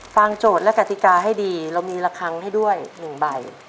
โจทย์และกติกาให้ดีเรามีละครั้งให้ด้วย๑ใบ